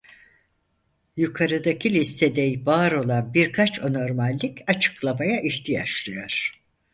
Yukarıdaki listede var olan birkaç anormallik açıklamaya ihtiyaç duyar: